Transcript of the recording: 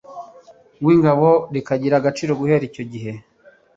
w Ingabo rikagira agaciro guhera igihe